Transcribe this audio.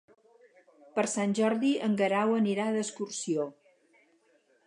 Per Sant Jordi en Guerau anirà d'excursió.